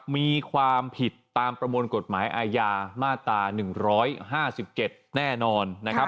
มีความผิดตามประมวลกฎหมายอาญามาตรา๑๕๗แน่นอนนะครับ